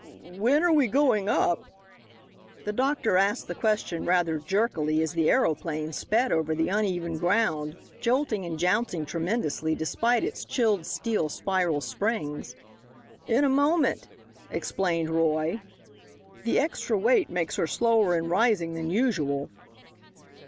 "Wh wh when are we going up?" The doctor asked the question rather jerkily as the aeroplane sped over the uneven ground, jolting, and jouncing tremendously despite its chilled steel spiral springs. "In a moment," explained Roy; "the extra weight makes her slower in rising than usual."